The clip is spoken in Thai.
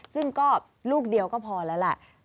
ซึ่งก็ลูกเดียวก็พอแล้วล่ะ